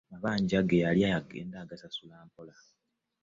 Amabanja ge yalya agenda agasasula mpola.